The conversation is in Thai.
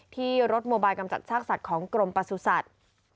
ที่รถโมบายกำจัดซากสัตว์ของกรมประสุทธิ์